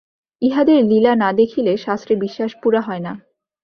ইঁহাদের লীলা না দেখিলে শাস্ত্রে বিশ্বাস পুরা হয় না।